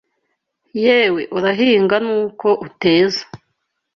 Yewe Urahinga nuko uteza